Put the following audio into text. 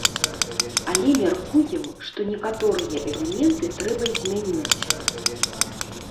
Але мяркуем, што некаторыя элементы трэба змяніць.